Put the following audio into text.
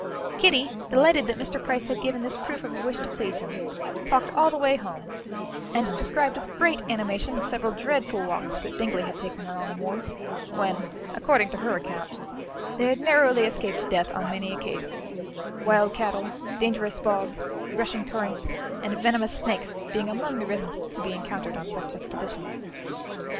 Kitty, delighted that Mr. Price had given this proof of a wish to please him, talked all the way home, and described with great animation several dreadful walks that Bingley had taken her on the moors, when, according to her account, they had narrowly escaped death on many occasions wild cattle, dangerous bogs, rushing torrents and venomous snakes being among the risks to be encountered on such expeditions.